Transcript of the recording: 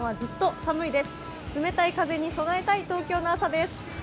冷たい風に備えたい東京の朝です